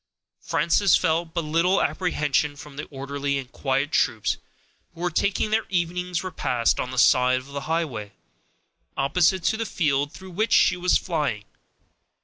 Frances felt but little apprehension from the orderly and quiet troops who were taking their evening's repast on the side of the highway, opposite to the field through which she was flying.